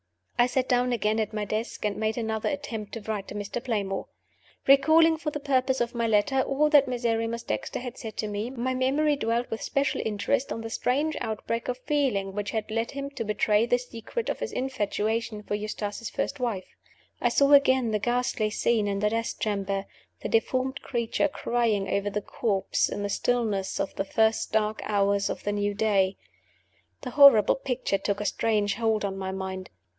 I sat down again at my desk, and made another attempt to write to Mr. Playmore. Recalling, for the purpose of my letter, all that Miserrimus Dexter had said to me, my memory dwelt with special interest on the strange outbreak of feeling which had led him to betray the secret of his infatuation for Eustace's first wife. I saw again the ghastly scene in the death chamber the deformed creature crying over the corpse in the stillness of the first dark hours of the new day. The horrible picture took a strange hold on my mind.